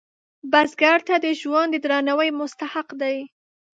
بزګر ته د ژوند د درناوي مستحق دی